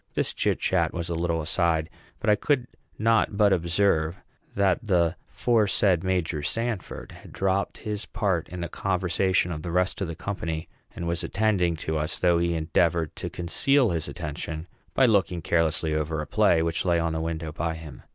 This chitchat was a little aside; but I could not but observe that the aforesaid Major Sanford had dropped his part in the conversation of the rest of the company, and was attending to us, though he endeavored to conceal his attention by looking carelessly over a play which lay on the window by him.